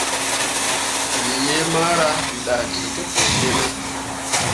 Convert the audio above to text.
Wǝ yiimara, wǝ dahki te ɓu fine.